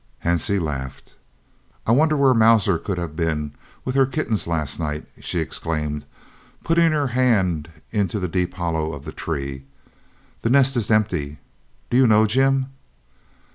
Hansie laughed. "I wonder where Mauser could have been with her kittens last night!" she exclaimed, putting her hand into the deep hollow of the tree. "The nest is empty. Do you know, Jim?"